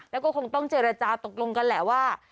แล้วก็คงต้องเจรจาตกลงกันแหละว่า